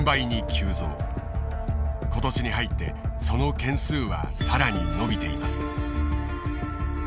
今年に入ってその件数は更に伸びています。